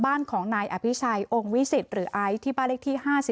บ้านของนายอภิชัยองค์วิสิตหรือไอซ์ที่บ้านเลขที่๕๔